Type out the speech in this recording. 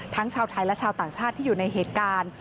ชาวไทยและชาวต่างชาติที่อยู่ในเหตุการณ์